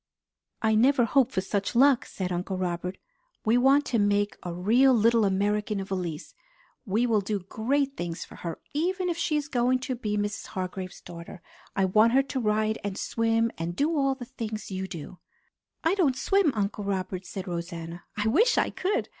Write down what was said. "I never hoped for such luck!" said Uncle Robert. "We want to make a real little American of Elise. We will do great things for her, even if she is going to be Mrs. Hargrave's daughter. I want her to ride and swim, and do all the things you do." "I don't swim, Uncle Robert," said Rosanna. "I wish I could!